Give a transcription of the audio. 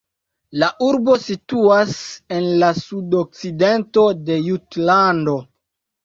La urbo situas en la sudokcidento de Jutlando.